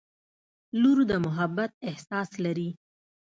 • لور د محبت احساس لري.